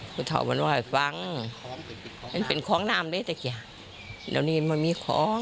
ผู้เถาพันธุ์ว่าว่าว่าฟังเป็นคล้องน้ำเลยเตะแก่แล้วนี้มันมีคล้อง